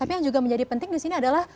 tapi yang juga menjadi penting di sini adalah